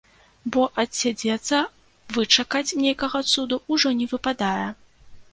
Бо адседзецца, вычакаць нейкага цуду ўжо не выпадае.